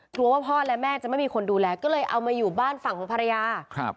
ว่าพ่อและแม่จะไม่มีคนดูแลก็เลยเอามาอยู่บ้านฝั่งของภรรยาครับ